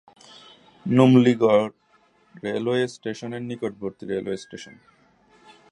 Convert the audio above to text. Numaligarh railway station এর নিকটবর্তী railway station.